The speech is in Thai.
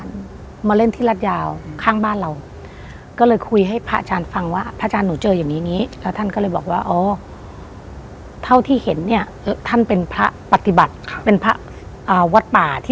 กับใครสักคนหนึ่งเนี่ยเขารู้ว่าคนนี้ให้เขาได้